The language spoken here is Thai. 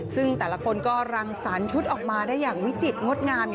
ซึ่งแต่ละคนก็รังสารชุดออกมาได้อย่างวิจิตรงดงาม